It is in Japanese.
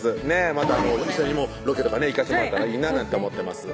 また一緒にロケとかね行かせてもらえたらいいななんて思ってます